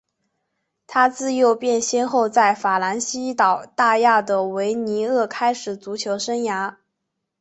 他自幼便先后在法兰西岛大区的维尼厄开始足球生涯。